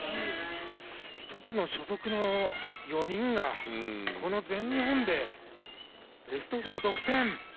１つの所属の４人がこの全日本でベスト４独占。